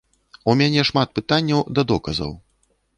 У мяне шмат пытанняў да доказаў.